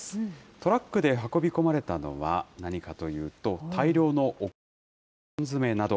トラックで運び込まれたのは何かというと、大量のお米や缶詰など。